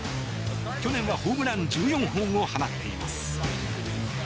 去年はホームラン１４本を放っています。